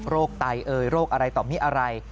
ไตเอยโรคอะไรต่อมีอะไร